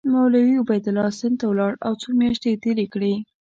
مولوي عبیدالله سند ته ولاړ او څو میاشتې یې تېرې کړې.